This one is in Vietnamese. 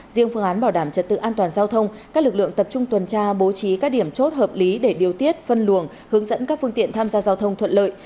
riêng phương án bảo đảm trật tự an toàn giao thông các lực lượng tập trung tuần tra bố trí các điểm chốt hợp lý để điều tiết phân luồng hướng dẫn các phương tiện tham gia giao thông thuận lợi